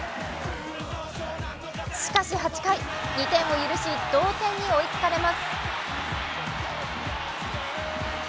しかし８回、２点を許し同点に追いつかれます。